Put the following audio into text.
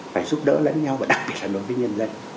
phải giúp đỡ lẫn nhau và đặc biệt là đối với nhân dân